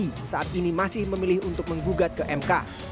polisi saat ini masih memilih untuk menggugat ke mk